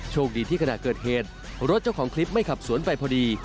โชคดีที่ขณะเกิดเหตุรถเจ้าของคลิปไม่ขับสวนไปพอดี